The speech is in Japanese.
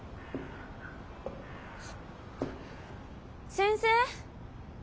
・・先生？